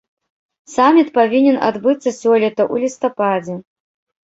Саміт павінен адбыцца сёлета ў лістападзе.